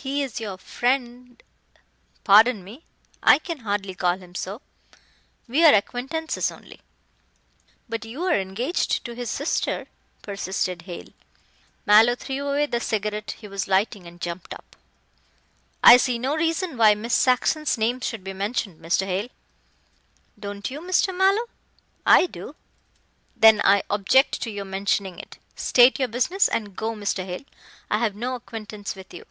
"He is your friend " "Pardon me. I can hardly call him so. We are acquaintances only." "But you are engaged to his sister," persisted Hale. Mallow threw away the cigarette he was lighting and jumped up. "I see no reason why Miss Saxon's name should be mentioned, Mr. Hale." "Don't you, Mr. Mallow? I do." "Then I object to your mentioning it. State your business and go, Mr. Hale. I have no acquaintance with you."